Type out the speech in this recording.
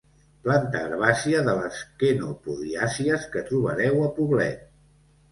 Planta herbàcia de les quenopodiàcies que trobareu a Poblet.